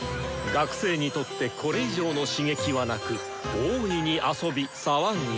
学生にとってこれ以上の刺激はなく大いに遊び騒ぎ。